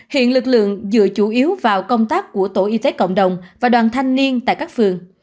hiện lực lượng dựa chủ yếu vào công tác của tổ y tế cộng đồng và đoàn thanh niên tại các phường